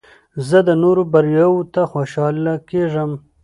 زه د نورو بریاوو ته خوشحاله کېږم.